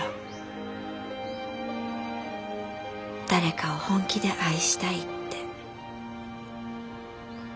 誰かを本気で愛したいって。